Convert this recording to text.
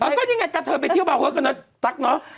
มันก็ยังไงกระเถินไปเที่ยวเบากวันนะตั๊กเนอะ